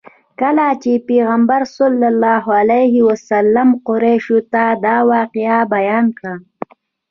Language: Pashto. کله چې پیغمبر صلی الله علیه وسلم قریشو ته دا واقعه بیان کړه.